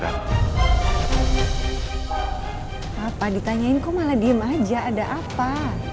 apa ditanyain kok malah diem aja ada apa